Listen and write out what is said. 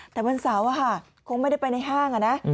แต่วันเสาร์คงไม่ได้ไปในห้าง